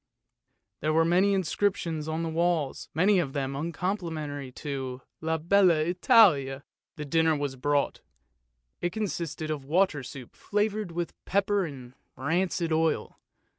There were many inscriptions on the walls, many of them uncomplimentary to " La bella Italia." 332 ANDERSEN'S FAIRY TALES The dinner was brought ; it consisted of water soup flavoured with pepper and rancid oil.